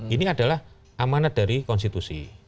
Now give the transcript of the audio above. ini adalah amanat dari konstitusi